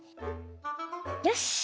よし！